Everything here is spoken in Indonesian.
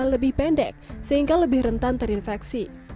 lebih pendek sehingga lebih rentan terinfeksi